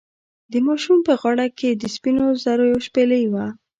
د ماشوم په غاړه کې د سپینو زرو یوه شپیلۍ وه.